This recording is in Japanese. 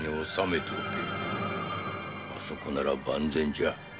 あそこなら万全だ。